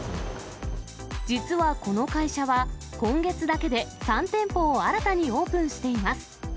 実はこの会社は、今月だけで３店舗を新たにオープンしています。